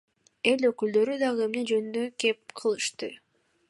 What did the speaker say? Эл өкүлдөрү дагы эмне жөнүндө кеп кылышты?